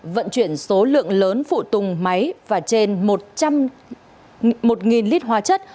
vận chuyển số lượng lớn phụ tùng máy và trên một lít hóa chất